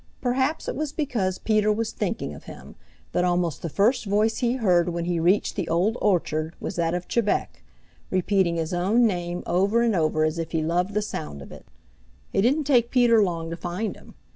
Perhaps it was because Peter was thinking of him that almost the first voice he heard when he reached the Old Orchard was that of Chebec, repeating his own name over and over as if he loved the sound of it. It didn't take Peter long to find him.